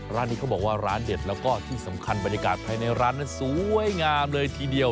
ร้านนี้เขาบอกว่าร้านเด็ดแล้วก็ที่สำคัญบรรยากาศภายในร้านนั้นสวยงามเลยทีเดียว